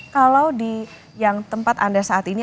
kalau di yang tempat anda saat ini